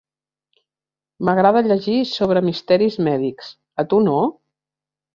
M'agrada llegir sobre misteris mèdics, a tu no?